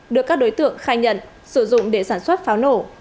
được các đối tượng khai nhận sử dụng để sản xuất pháo nổ